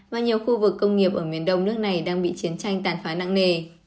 và nhiều khu vực công nghiệp ở miền đông nước này đang bị chiến tranh tàn phá nặng nề